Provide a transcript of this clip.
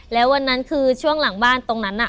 แล้ววันนั้นคือช่วงหลังบ้านตรงนั้นน่ะ